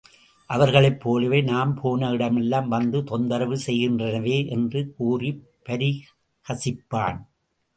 அவர்களைப் போலவே நாம் போன இடமெல்லாம் வந்து தொந்தரவு செய்கின்றனவே! என்று கூறிப் பரிகசிப்பான்.